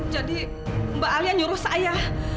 jadi mbak alia nyuruh saya